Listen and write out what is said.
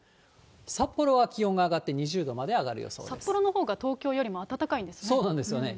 札幌は気温が上がって、札幌のほうが東京よりも暖かそうなんですよね。